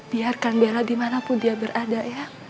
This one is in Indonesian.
biarkan bella dimanapun dia berada ya